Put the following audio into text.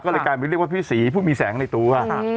ก็กลายเป็นพี่ศรีผู้มีแสงในตัว